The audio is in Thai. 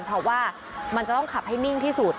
เพราะว่ามันจะต้องขับให้นิ่งที่สุด